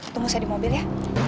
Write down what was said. tunggu saya di mobil ya